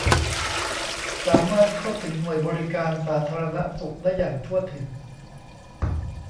สามารถเข้าถึงหน่วยบริการสาธารณสุขได้อย่างทั่วถึง